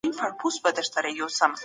پانګوال نظام يوازي شتمني ټولوي.